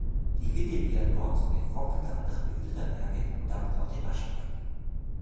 Die Windebyer-Noor-Zunge formte unter anderem die Hüttener Berge und damit auch den Aschberg.